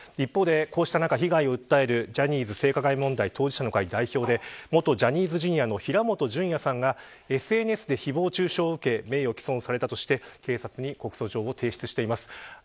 こうした中、被害を訴えているジャニーズ性加害問題の当事者の会代表で平本淳也さんがＳＮＳで誹謗中傷を受け名誉毀損されたとして警察に告訴状を提出しています。